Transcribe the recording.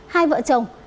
hai vợ chồng